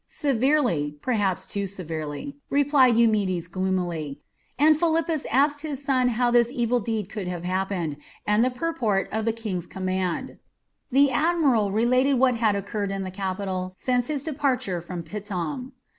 "Severely, perhaps too severely," replied Eumedes gloomily, and Philippus asked his son how this evil deed could have happened, and the purport of the King's command. The admiral related what had occurred in the capital since his departure from Pithom.